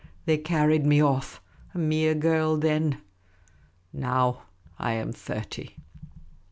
They carried me off. A mere girl then. Now I am thirty."